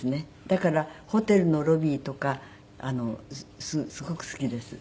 だからホテルのロビーとかすごく好きです。